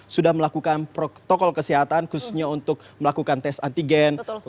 sudah melakukan protokol kesehatan khususnya untuk melakukan tes antigen